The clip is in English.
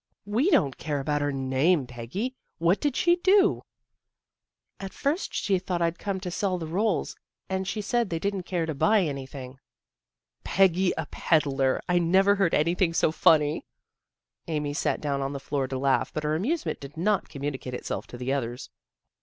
We don't care about her name, Peggy. What did she do? "" At first she thought I'd come to sell the rolls, and she said they didn't care to buy anything." " Peggy a pedler! I never heard anything so funny! " Amy sat down on the floor to laugh, but her amusement did not communi cate itself to the others.